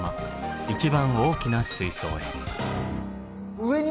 一番大きな水槽へ。